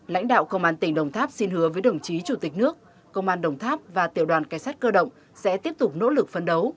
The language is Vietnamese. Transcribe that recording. lãnh đạo công an tỉnh đồng tháp xin hứa với đồng chí chủ tịch nước công an đồng tháp và tiểu đoàn cảnh sát cơ động sẽ tiếp tục nỗ lực phấn đấu